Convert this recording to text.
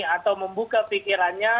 atau membuka pikirannya